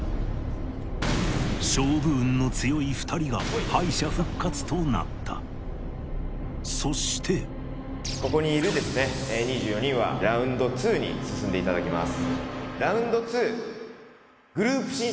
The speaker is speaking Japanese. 勝負運の強い２人が敗者復活となったそしてここにいる２４人はＲＯＵＮＤ２に進んでいただきます。